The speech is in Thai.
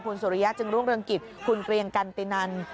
คุณสุริยะจึงรุ่งเรืองกิจคุณเกรียงกันตินัน